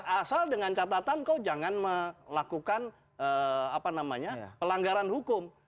asal dengan catatan kok jangan melakukan pelanggaran hukum